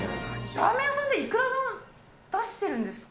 ラーメン屋さんでいくら出してるんですか。